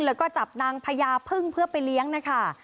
แล้วก็จับนางพญาพึ่งเพื่อไปเลี้ยงนะคะ